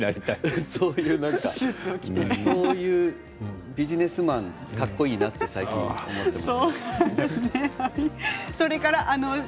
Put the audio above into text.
そういうビジネスマンかっこいいなって最近思っています。